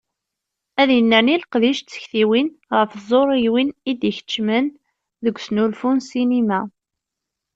Ad yennerni leqdic d tektiwin ɣef tẓuriwin i d-ikeccmen deg usnulfu n ssinima.